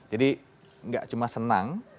jadi tidak cuma senang